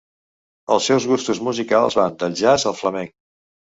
Els seus gustos musicals van del jazz al flamenc.